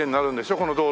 この道路。